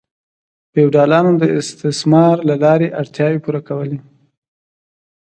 فیوډالانو د استثمار له لارې اړتیاوې پوره کولې.